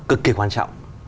cực kỳ quan trọng